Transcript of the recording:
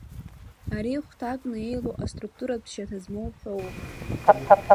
Ари хәҭакны еилоу аструқтуратә шьаҭа змоу ҳәоууп.